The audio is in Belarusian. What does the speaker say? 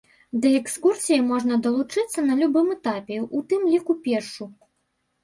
Да экскурсіі можна далучыцца на любым этапе, у тым ліку пешшу.